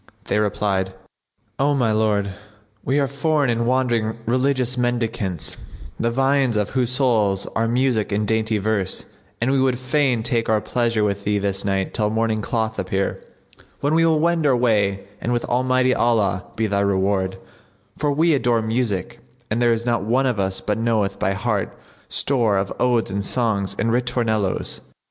They replied, "O my lord, we are foreign and wandering religious mendicants, the viands of whose souls are music and dainty verse, and we would fain take our pleasure with thee this night till morning cloth appear, when we will wend our way, and with Almighty Allah be thy reward; for we adore music and there is not one of us but knoweth by heart store of odes and songs and ritornellos."